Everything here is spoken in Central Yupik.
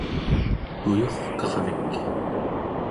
puyurkarvik